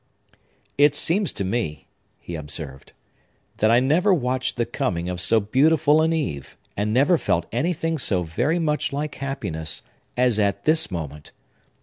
"It seems to me," he observed, "that I never watched the coming of so beautiful an eve, and never felt anything so very much like happiness as at this moment.